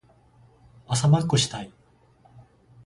朝マックしたい。